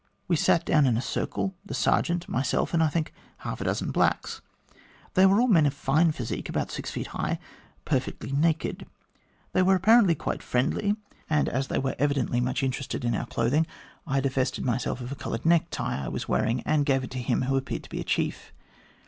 We sat down in a circle, the sergeant, myself, and I think half a dozen blacks. These were all men of fine physique, about six feet high, perfectly naked. They were apparently quite friendly, and as they were evidently much interested in our MAJOR DE WINTON: OLDEST LIVING GLADSTON1AN 185 clothing, I divested myself of a coloured necktie I was wearing, and gave it to him who appeared to be a chief.